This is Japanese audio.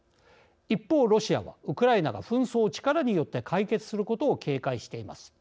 一方、ロシアはウクライナが紛争を力によって解決することを警戒しています。